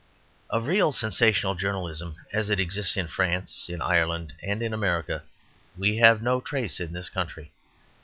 Of real sensational journalism, as it exists in France, in Ireland, and in America, we have no trace in this country.